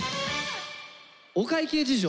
「お会計事情」。